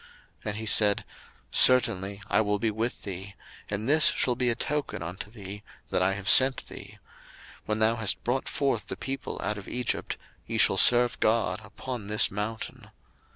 02:003:012 And he said, Certainly I will be with thee; and this shall be a token unto thee, that I have sent thee: When thou hast brought forth the people out of Egypt, ye shall serve God upon this mountain.